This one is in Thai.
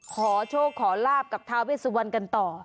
ขอโชคขอลาบกับทาเวสวันกันต่อ